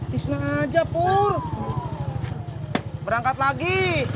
hisna aja pur berangkat lagi